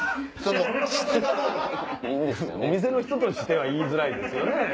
お店の人としては言いづらいですよね。